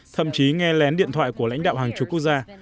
thậm chí nghe lén điện thoại của lãnh đạo hàng chục quốc gia